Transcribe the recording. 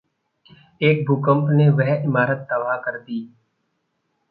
एक भूकंप ने वह इमारत तबाह कर दी।